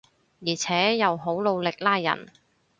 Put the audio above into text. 而且又好努力拉人